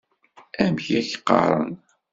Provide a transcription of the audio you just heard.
Amek i k-qqaren?